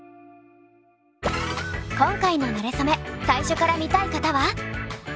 今回の「なれそめ」最初から見たい方は。